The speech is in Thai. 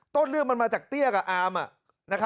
ต้นเรื่องมันมาจากเตี้ยกับอามอ่ะนะครับ